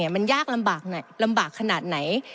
มันยากลำบากขนาดไหน